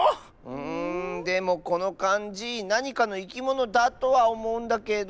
んでもこのかんじなにかのいきものだとはおもうんだけど。